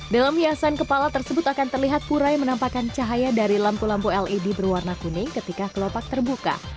dalam hiasan kepala tersebut akan terlihat purai menampakkan cahaya dari lampu lampu led berwarna kuning ketika kelopak terbuka